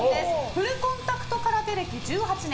フルコンタクト空手歴１８年。